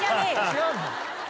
違うの？